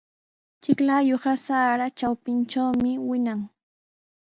Chiklayuqa sara trawpintrawmi wiñan.